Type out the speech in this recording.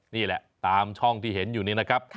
นี่แหละตามช่องที่เห็นอยู่นี้นะครับ